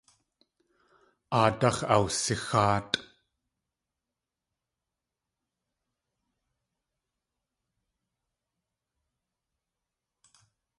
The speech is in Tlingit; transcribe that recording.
Aadáx̲ awsixáatʼ.